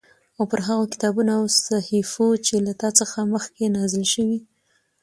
او پر هغو کتابونو او صحيفو چې له تا څخه مخکې نازل شوي